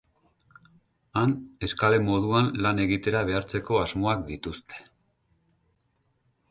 Han, eskale moduan lan egitera behartzeko asmoak dituzte.